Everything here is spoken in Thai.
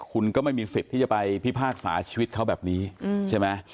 คุณก็ไม่มีสิทธิ์ที่จะไปพิพากษาชีวิตเขาแบบนี้ใช่ไหม